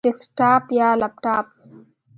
ډیسکټاپ یا لپټاپ؟